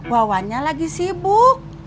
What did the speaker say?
wawannya lagi sibuk